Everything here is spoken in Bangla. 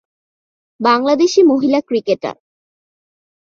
বাংলাদেশী মহিলা ক্রিকেটার।